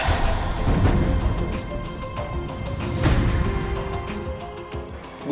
lo udah ngomong ke gue